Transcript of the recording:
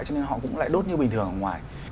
cho nên họ cũng lại đốt như bình thường ở ngoài